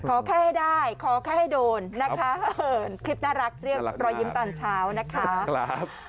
ขอแค่ให้ได้ขอแค่ให้โดนนะคะคลิปน่ารักเรียกรอยยิ้มตอนเช้านะคะ